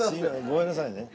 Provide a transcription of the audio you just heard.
ごめんなさいね。